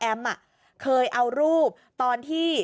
เคยเอารูปตอนที่